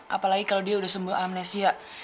apalagi kalau dia sudah sembuh amnesia